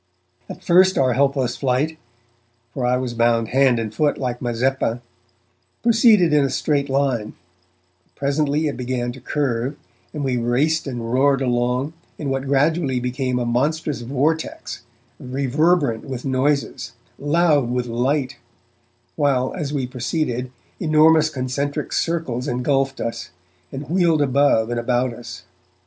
At first our helpless flight, for I was bound hand and foot like Mazeppa, proceeded in a straight line, but presently it began to curve, and we raced and roared along, in what gradually became a monstrous vortex, reverberant with noises, loud with light, while, as we proceeded, enormous concentric circles engulfed us, and wheeled above and about us.